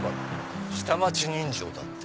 「下町人情」だって。